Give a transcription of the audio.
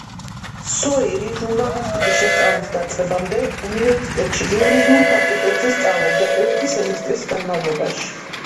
სოირი ჟურნალისტიკის შესწავლის დაწყებამდე, უნივერსიტეტში იურიდიულ ფაკულტეტზე სწავლობდა ერთი სემესტრის განმავლობაში.